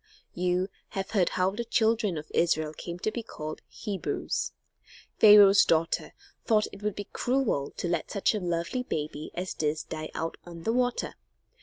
You have heard how the children of Israel came to be called Hebrews. Pharaoh's daughter thought that it would be cruel to let such a lovely baby as this die out on the water.